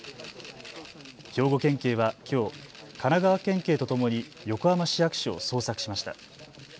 兵庫県警はきょう神奈川県警とともに横浜市役所を捜索しました。